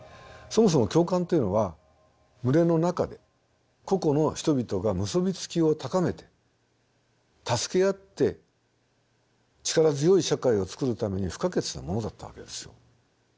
そもそも共感というのは群れの中で個々の人々が結び付きを高めて助け合って力強い社会を作るために不可欠なものだったわけですよ。